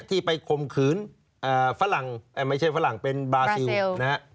ที่ไปข่มขืนฝรั่งไม่ใช่ฝรั่งเป็นบราซิลนะฮะ